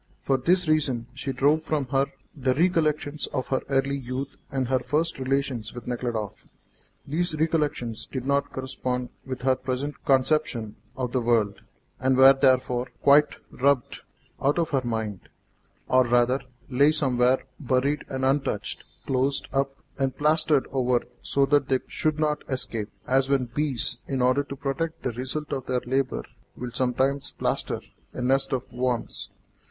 For this reason she drove from her the recollections of her early youth and her first relations with Nekhludoff. These recollections did not correspond with her present conception of the world, and were therefore quite rubbed out of her mind, or, rather, lay somewhere buried and untouched, closed up and plastered over so that they should not escape, as when bees, in order to protect the result of their labour, will sometimes plaster a nest of worms.